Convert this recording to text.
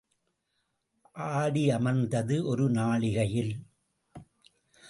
ஆடி அமர்ந்தது ஒரு நாழிகையில்.